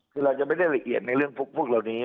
คือเรายังไม่ได้ละเอียดในเรื่องพวกเหล่านี้